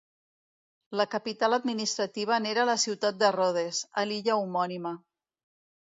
La capital administrativa n'era la ciutat de Rodes, a l'illa homònima.